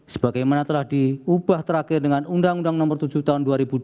sebagaimana telah diubah terakhir dengan undang undang nomor tujuh tahun dua ribu dua